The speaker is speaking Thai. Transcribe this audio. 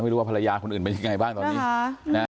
หรือว่าภรรยาคนอื่นเป็นยังไงบ้างตอนนี้